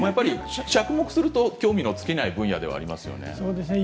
着目すると興味の尽きない分野ではありますね。